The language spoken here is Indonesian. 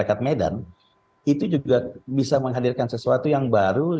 padat dari manada rinta yang dibawa kita sesekpgerus yani k vidrom akih oh vagabond clique